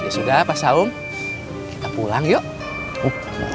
ya sudah mas aung kita pulang yuk